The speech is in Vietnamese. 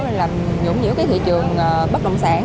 làm nhũng những thị trường bất động sản